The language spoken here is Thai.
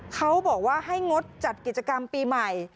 เขาบอกว่าให้งดจัดกิจกรรมปีใหม่